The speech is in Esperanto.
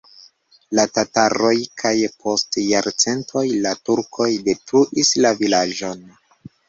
La tataroj kaj post jarcentoj la turkoj detruis la vilaĝon.